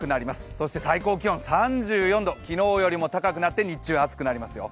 そして最高気温３４度、昨日よりも高くなって日中暑くなりますよ。